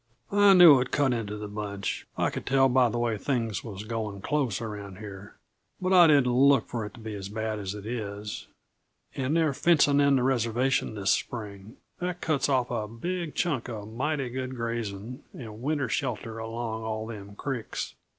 I knew it would cut into the bunch. I could tell by the way things was going close around here but I didn't look for it to be as bad as it is. And they're fencing in the reservation this spring that cuts off a big chunk uh mighty good grazing and winter shelter along all them creeks.